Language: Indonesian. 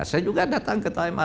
saya juga datang ketua mk